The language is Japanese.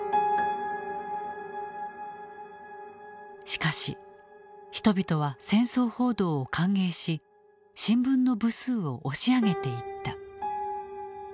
しかし人々は戦争報道を歓迎し新聞の部数を押し上げていった。